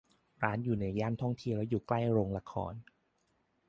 ร้านอยู่ในย่านท่องเที่ยวและอยู่ใกล้โรงละคร